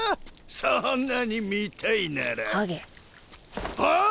そんなに見たいならハゲああ！？